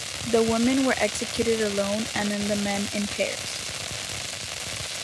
The women were executed alone and then the men in pairs.